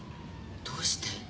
どうして？